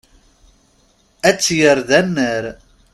Ad tt-yerr d annar.